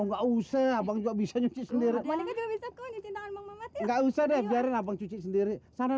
oh nggak usah abang juga bisa nyucir sendiri nggak usah deh biarin abang cuci sendiri sana